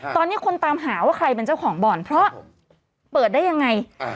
ตอนนี้คนตามหาว่าใครเป็นเจ้าของบ่อนเพราะเปิดได้ยังไง